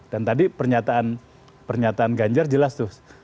dan tadi pernyataan ganjar jelas tuh